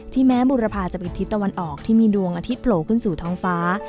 แม้บุรพาจะเป็นทิศตะวันออกที่มีดวงอาทิตย์โผล่ขึ้นสู่ท้องฟ้า